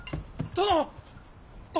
殿！